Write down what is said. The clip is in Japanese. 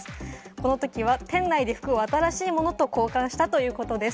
このときは店内で服を新しいものと交換したということです。